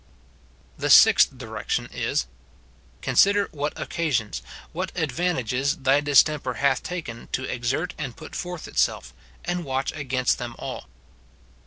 \ The SIXTH direction is, — Consider what occasions, what advantages thy dis SIN IN BELIEVERS. 257 temper liatli taken to exert and put forth itself, and watch against them all.